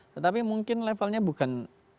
tetapi mungkin levelnya bukan